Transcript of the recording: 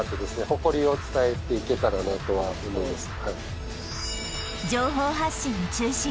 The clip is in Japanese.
誇りを伝えていけたらなとは思います情報発信の中心